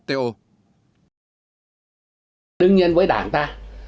tương nhiên với đảng ta